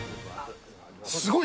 すごい！